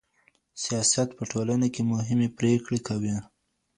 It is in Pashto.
سياست په ټولنه کي مهمې پرېکړې کوي.